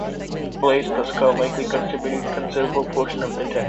Blaise Pascal likely contributed considerable portions of the text.